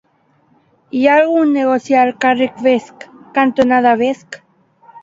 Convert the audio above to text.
Hi ha algun negoci al carrer Vesc cantonada Vesc?